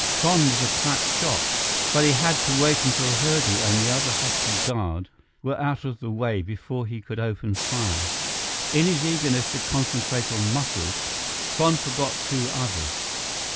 Kron was a crack shot, but he had to wait until Hurdu and the other husky guard were out of the way before he could open fire. In his eagerness to concentrate on Muscles, Kron forgot two others.